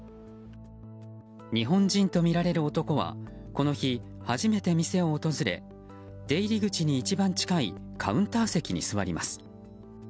日本人とみられる男はこの日、初めて店を訪れ出入り口に一番近いカウンター席に座ります。